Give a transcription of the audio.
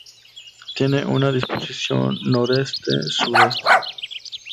Tienen una disposición noroeste-sureste.